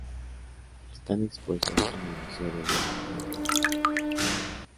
Están expuestos en el Museo del Oro en Bogotá.